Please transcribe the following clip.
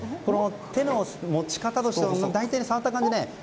手の持ち方としては大体触った感じ